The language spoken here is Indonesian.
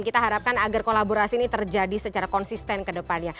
kita harapkan agar kolaborasi ini terjadi secara konsisten ke depannya